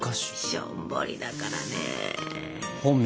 しょんぼりだから。